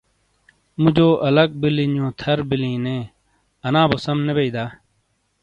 مُوجو الگ بِیلی نیو تھر بِلیں نے۔۔۔ انا بو سَم نے بئیی دا ؟